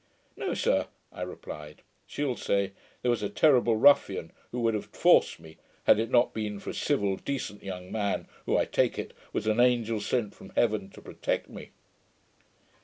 "' 'No, sir,' I replied, 'she'll say, "There was a terrible ruffian who would have forced me, had it not been for a civil decent young man who, I take it, was an angel sent from heaven to protect me."'